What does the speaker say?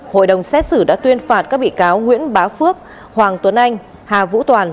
hội đồng xét xử đã tuyên phạt các bị cáo nguyễn bá phước hoàng tuấn anh hà vũ toàn